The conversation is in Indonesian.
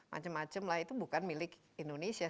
macem macem lah itu bukan milik indonesia